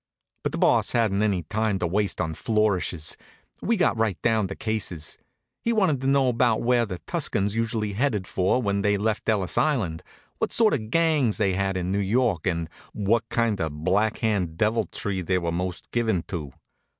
But the Boss hadn't any time to waste on flourishes. We got right down to cases. He wanted to know about where the Tuscans usually headed for when they left Ellis Island, what sort of gangs they had in New York and what kind of Black Hand deviltry they were most given to.